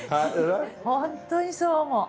本当にそう思う。